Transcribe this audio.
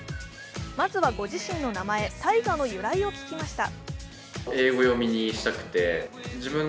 まずは、ご自身の名前、泰果の由来を聞きました。